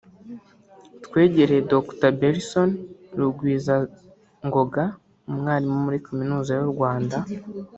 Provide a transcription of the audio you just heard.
twegereye Dr Belson Rugwizangoga umwarimu muri Kaminuza y’u Rwanda